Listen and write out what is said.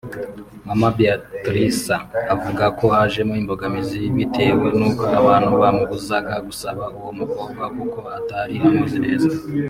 Mama Beyatirisa avuga ko hajemo imbogamizi bitewe n’uko abantu bamubuzaga gusaba uwo mukobwa kuko atari amuzi neza